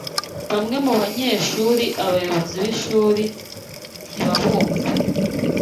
bamwe mu banyehuri abayobozi b’ishuri ntibabumva